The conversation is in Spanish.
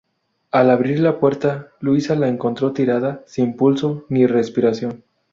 Al abrir la puerta, Luisa la encontró tirada, sin pulso ni respiración.